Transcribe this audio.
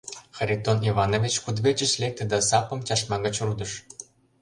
Харитон Иванович кудывечыш лекте да сапым чашма гыч рудыш.